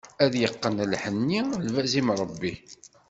Ad yeqqen lḥenni, lbaz imṛebbi.